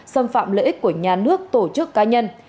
xâm phạm lợi ích của nhà nước tổ chức cá nhân